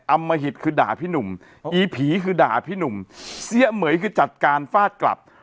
อมหิตคือด่าพี่หนุ่มอีผีคือด่าพี่หนุ่มเสี้ยเหมือยคือจัดการฟาดกลับ